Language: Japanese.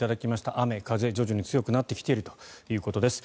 雨、風徐々に強くなってきているということです。